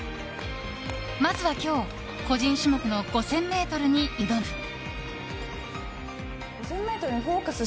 まずは今日、個人種目の５０００ｍに挑む。